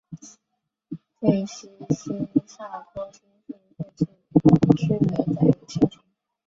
费希新萨托菌是费氏曲霉的有性型。